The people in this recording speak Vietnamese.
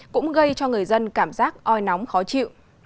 cũng gây cho người dân cảm giác oi nóng khó chịu